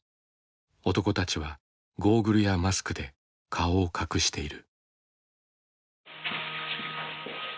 男たちはゴーグルやマスクで顔を隠している。